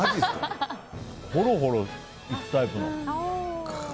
ほろほろいくタイプの。